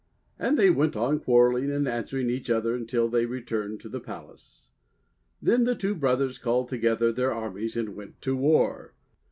And they went on quarrelling and answering each other until they returned to the palace. Then the two brothers called together their armies and went to war.